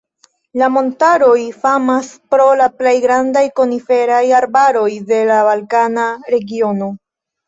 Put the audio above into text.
La montaroj famas pro la plej grandaj koniferaj arbaroj de la balkana regiono.